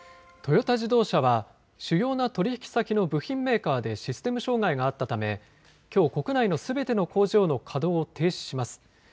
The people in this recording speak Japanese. トヨタ自動車は、主要な取り引き先の部品メーカーでシステム障害があったため、きょう、国内のすべての工場の稼働を停止します。